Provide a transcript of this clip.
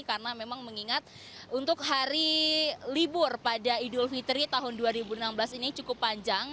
karena memang mengingat untuk hari libur pada idul fitri tahun dua ribu enam belas ini cukup panjang